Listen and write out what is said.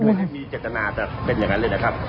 ไม่ได้มีเจตนาจะเป็นอย่างนั้นเลยนะครับ